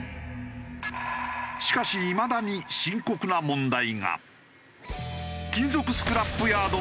しかしいまだに深刻な問題が。